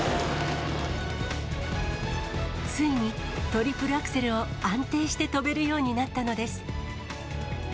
ついにトリプルアクセルを安定して跳べるようになったのです。